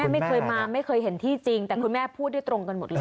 ไม่เคยมาไม่เคยเห็นที่จริงแต่คุณแม่พูดได้ตรงกันหมดเลย